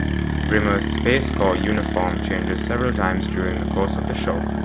Rimmer's Space Corps uniform changes several times during the course of the show.